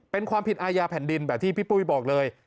เป็นความผิดอาญาแผ่นดินแบบที่พี่ปุ้ยบอกเลย